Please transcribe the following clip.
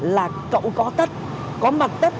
là cậu có tất có mặt tất